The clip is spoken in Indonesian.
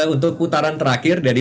untuk putaran terakhir dari